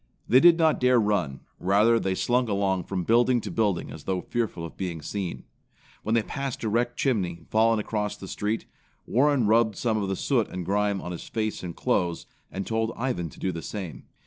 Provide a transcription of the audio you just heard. They did not dare run. Rather, they slunk along from building to building as though fearful of being seen. When they passed a wrecked chimney, fallen across the street, Warren rubbed some of the soot and grime on his face and clothes, and told Ivan to do the same.